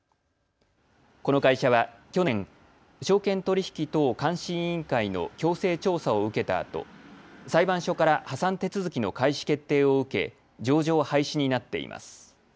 この会社は去年、証券取引等監視委員会の強制調査を受けたあと裁判所から破産手続きの開始決定を受け、上場廃止になっています。